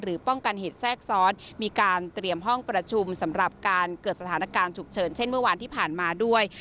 ป้องกันเหตุแทรกซ้อนมีการเตรียมห้องประชุมสำหรับการเกิดสถานการณ์ฉุกเฉินเช่นเมื่อวานที่ผ่านมาด้วย